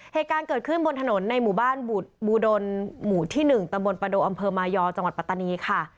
เหตุการณ์เกิดขึ้นบนถนนในหมู่บ้านบูดลหมู่ที่๑ตำบลประโดอำเภอมายอจังหวัดปัตตานีค่ะ